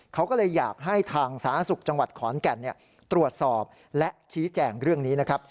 เขาก็เลยอยากให้ทางสาธารณสุขจังหวัดขอนแก่นตรวจสอบและชี้แจงเรื่องนี้นะครับ